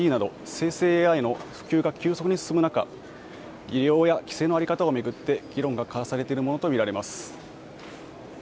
ＣｈａｔＧＰＴなど、生成ＡＩの普及が急速に進むなか利用や規制の在り方を巡って議論が交わされているものと見られます。